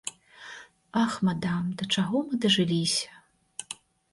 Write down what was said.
Ах, мадам, да чаго мы дажыліся?!